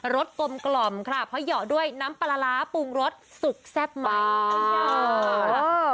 รสกลมค่ะเพราะหย่อด้วยน้ำปลาร้าปรุงรสสุกแซ่บใหม่